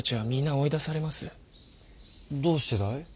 どうしてだい？